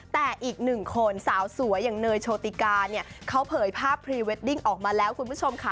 แต่อีกหนึ่งคนสาวสวยอย่างเนยโชติกาเนี่ยเขาเผยภาพพรีเวดดิ้งออกมาแล้วคุณผู้ชมค่ะ